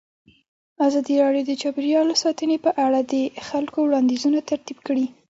ازادي راډیو د چاپیریال ساتنه په اړه د خلکو وړاندیزونه ترتیب کړي.